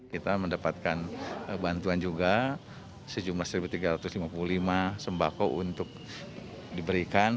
kita mendapatkan bantuan juga sejumlah satu tiga ratus lima puluh lima sembako untuk diberikan